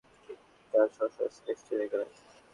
তারা স্ব স্ব স্থানে স্থির হয়ে গেলেন।